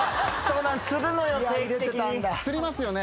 つりますよね？